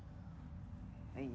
はい。